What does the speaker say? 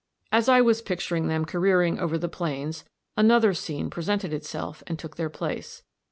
As I was picturing them careering over the plains, another scene presented itself and took their place.